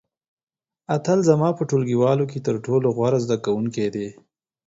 اتل زما په ټولګیوالو کې تر ټولو غوره زده کوونکی دی.